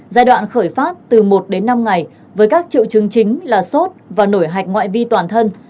giai đoạn khởi phát từ một đến năm ngày với các triệu chứng chính là sốt và nổi hạch ngoại vi toàn thân